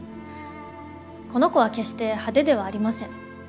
この子は決して派手ではありません。